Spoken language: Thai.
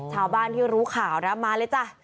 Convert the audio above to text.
ชาวบ้านที่รู้ข่าวนะมาเลยจ้ะ